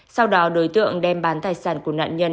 sau đó đối tượng đem bán tài sản của nạn nhân